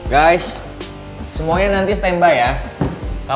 guys semuanya nanti standby ya